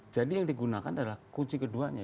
jadi yang digunakan adalah kunci keduanya